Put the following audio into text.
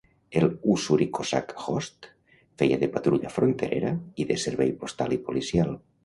El Ussuri Cossack Host feia de patrulla fronterera, i de servei postal i policial.